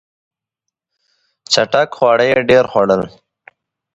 چټک خواړه یې ډېر خوړل.